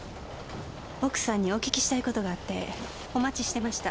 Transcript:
奥さんにお訊きしたい事があってお待ちしてました。